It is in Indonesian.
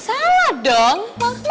salah dong ma